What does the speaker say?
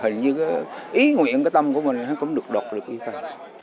hình như ý nguyện tâm của mình cũng được đột được như vậy